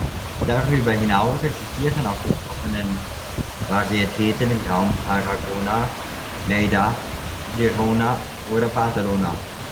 Darüber hinaus existieren auch gesprochenen Varietäten im Raum Tarragona, Lleida, Girona oder Barcelona.